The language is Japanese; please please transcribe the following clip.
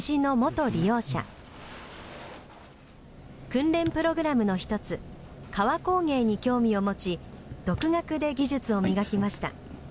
訓練プログラムの一つ革工芸に興味を持ち独学で技術を磨きました。